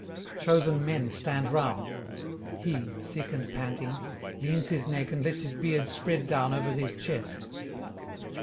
Chosen men stand round; he, sick and panting, leans his neck and lets his beard spread down over his chest.